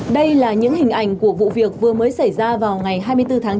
đây là những hình ảnh của vụ việc vừa mới xảy ra vào ngày hai mươi bốn tháng tám